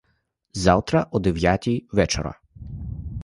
Завтра о дев'ятій вечора!